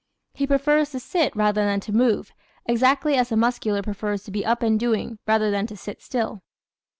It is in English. He prefers to sit rather than to move, exactly as the Muscular prefers to be "up and doing" rather than to sit still.